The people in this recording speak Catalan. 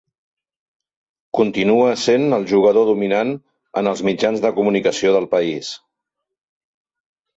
Continua essent el jugador dominant en els mitjans de comunicació del país.